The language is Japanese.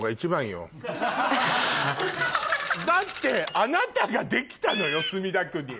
だってあなたができたのよ墨田区に。